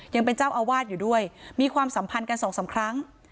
ยังเป็นเจ้าอาวาสอยู่ด้วยมีความสัมพันธ์กันสองสามครั้ง